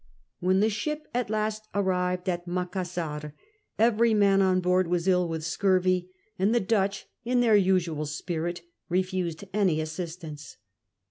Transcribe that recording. When the ship at last arrived at Macassar every man on board was ill with scurvy, and the Dutch, in their usual spirit, refused any assistance.